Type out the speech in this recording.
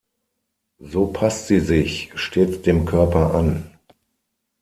So passt sie sich stets dem Körper an.